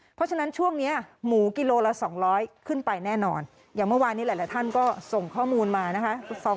เพราะฉะนั้นช่วงนี้หมูกิโลละ๒๐๐ขึ้นไปแน่นอนอย่างเมื่อวานนี้หลายท่านก็ส่งข้อมูลมานะคะ